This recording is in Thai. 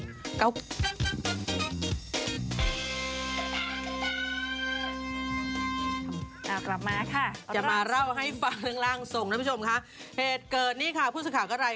เดี๋ยวจะบอกโดนจับเข้าคุกด้วย